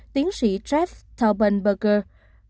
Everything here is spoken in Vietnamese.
tiến sĩ jeff taubenberger phó trưởng phòng thí nghiệm các bệnh nhân